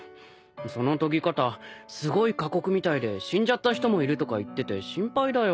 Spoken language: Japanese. その研ぎ方すごい過酷みたいで死んじゃった人もいるとか言ってて心配だよ。